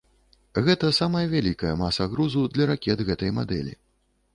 Гэта самая вялікая маса грузу для ракет гэтай мадэлі.